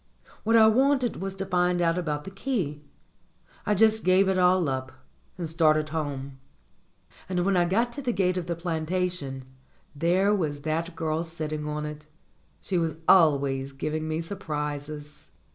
What I wanted was to find out about the key. I just gave it all up, and started home. And when I got to the gate of the plantation there was that girl sitting on it. She was always giving me surprises.